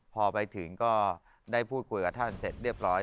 พอไปถึงก็ได้พูดคุยกับท่านเสร็จเรียบร้อย